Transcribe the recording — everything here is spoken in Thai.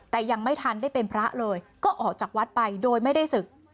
แต่ยังไม่ทันได้เป็นพระเลยก็ออกจากวัดไปโดยไม่ได้ศึก